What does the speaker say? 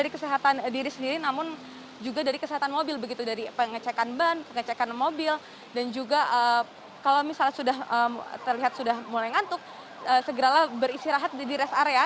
dari kesehatan diri sendiri namun juga dari kesehatan mobil begitu dari pengecekan ban pengecekan mobil dan juga kalau misalnya sudah terlihat sudah mulai ngantuk segeralah beristirahat di rest area